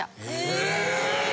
・え！